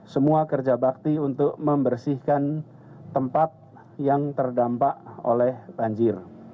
semua kerja bakti untuk membersihkan tempat yang terdampak oleh banjir